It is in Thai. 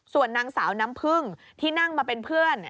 ส่วนนางสาวน้ำพึ่งที่นั่งมาเป็นเพื่อน